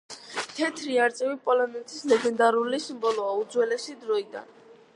თეთრი არწივი პოლონეთის ლეგენდარული სიმბოლოა უძველესი დროიდან.